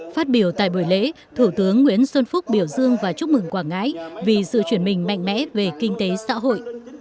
phát biểu tại buổi lễ thủ tướng nguyễn xuân phúc biểu dương và chúc mừng quảng ngãi vì sự chuyển mình mạnh mẽ về kinh tế xã hội